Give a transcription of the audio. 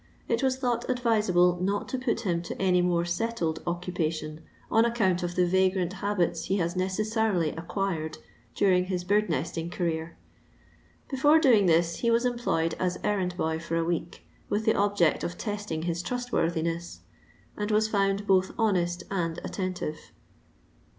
It was thought advisable not to put him to any more teiUed occu pation on account of the vagrant habits he has necessarily acquired during his bird nesting career, fiefore doing this he was employed as errand boy for a week, with the object of testing his trust worthinett, and wat found both honett and atten tive.